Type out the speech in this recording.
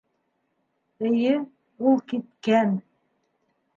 Эйе, ул киткән!